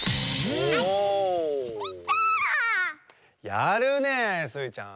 やるねえスイちゃん。